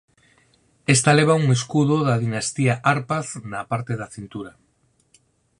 Esta leva un escudo da dinastía Árpád na parte da cintura.